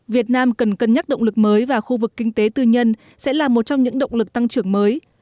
việt nam cần cân nhắc động lực mới và khu vực kinh tế tư nhân sẽ là một trong những động lực tăng trưởng mới